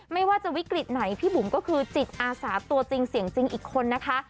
ไม่ว่าจะวิกฤตไหนพี่บุ๋มก็คือจิตอาสาตัวจริงเสียงจริงอีกคนนะคะ